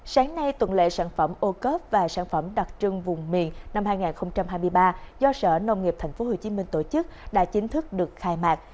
sáng nay tuần lệ sản phẩm ô cớp và sản phẩm đặc trưng vùng miền năm hai nghìn hai mươi ba do sở nông nghiệp tp hcm tổ chức đã chính thức được khai mạc